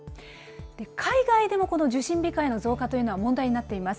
海外でもこの受診控えの増加というのは問題になっています。